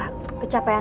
aku mesti kerja sekarang